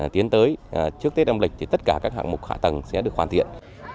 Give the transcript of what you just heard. tiến tới trước tết năm lịch thì tất cả các hạ tầng sẽ được hoàn thiện